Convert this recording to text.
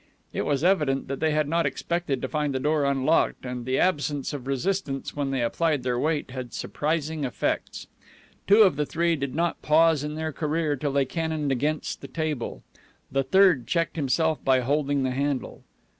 It was evident that they had not expected to find the door unlocked, and the absence of resistance when they applied their weight had surprising effects. Two of the three did not pause in their career till they cannoned against the table. The third checked himself by holding the handle.